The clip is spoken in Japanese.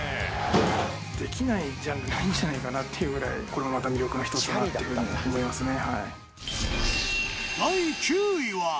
できないジャンルないんじゃないかなっていうぐらいこれもまた魅力の１つだなっていう風に思いますね。